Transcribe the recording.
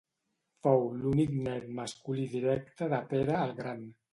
Fou l'únic net masculí directe de Pere el Gran.